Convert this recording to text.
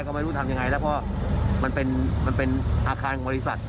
วงไปดูทำยังไงแล้วเพราะว่ามันเป็นอาคารบริษัท